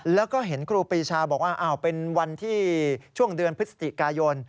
แล้วก็เห็นครูปรีชาบอกว่าเป็นวันที่ช่วงเดือนพฤศจิกายน